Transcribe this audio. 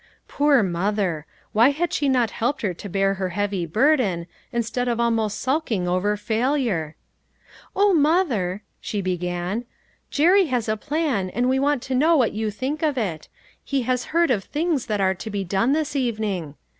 Poor mother! Why had not she helped her to bear her heavy burden, instead of almost sulk ing over failure ?" O, mother," she began, u Jerry has a plan, and we want to know what you think of it ; he has heard of things that are to be done this evening."